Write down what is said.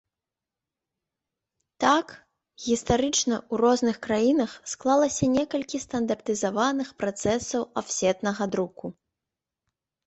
Так, гістарычна ў розных краінах склалася некалькі стандартызаваных працэсаў афсетнага друку.